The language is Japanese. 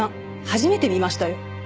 初めて見ましたよ。